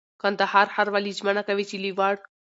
کندهار ښاروالي ژمنه کوي چي له وړ